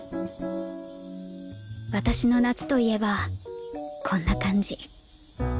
私の「夏」といえばこんな感じ